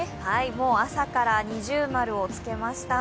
朝から二重丸をつけました。